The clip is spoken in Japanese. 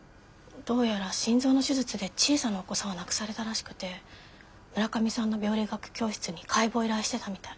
どうやら心臓の手術で小さなお子さんを亡くされたらしくて村上さんの病理学教室に解剖を依頼してたみたい。